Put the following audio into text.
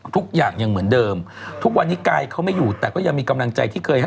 ทุกอย่างยังเหมือนเดิมทุกวันนี้กายเขาไม่อยู่แต่ก็ยังมีกำลังใจที่เคยให้